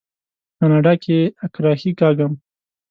په کاناډا کې اکرښې کاږم.